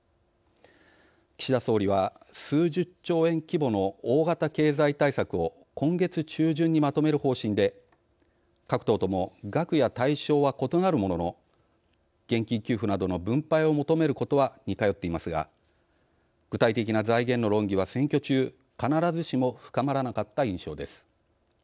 岸田総理は「数十兆円規模の大型経済対策を今月中旬にまとめる」方針で各党とも額や対象は異なるものの現金給付などの分配を求めることは似通っていますが具体的な財源の論議は選挙中必ずしも深まらなかった印象です。